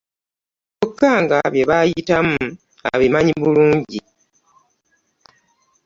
Kyokka nga bye bayitamu abimanyi bulungi.